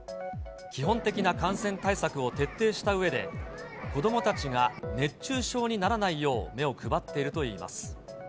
基本的な感染対策を徹底したうえで、子どもたちが熱中症にならないよう目を配っているといいます。